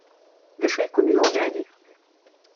D acu ay ken-yuɣen ɛni?